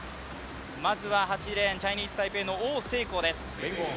まずは８レーン、チャイニーズ・タイペイの王星皓です。